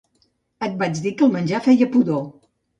Et vaig dir que el menjar feia pudor.